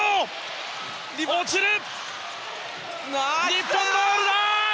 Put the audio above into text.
日本ボールだ！